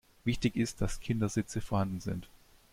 Wichtig ist, dass Kindersitze vorhanden sind.